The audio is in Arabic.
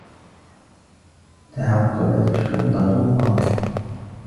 تعقّبت الشّرطة فاضل.